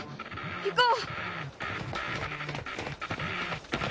行こう！